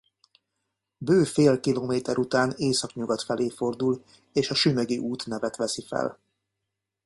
Bő fél kilométer után északnyugat felé fordul és a Sümegi út nevet veszi fel.